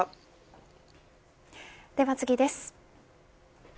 では次です。